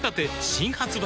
新発売